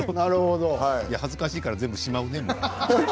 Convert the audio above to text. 恥ずかしいから全部しまうね。